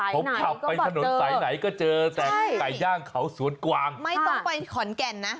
ผมขับไปถนนสายไหนก็เจอแต่ไก่ย่างเขาสวนกวางไม่ต้องไปขอนแก่นนะ